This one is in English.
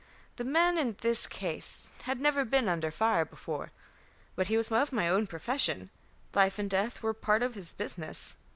"The man in this case had never been under fire before, but he was of my own profession. Life and death were part of his business.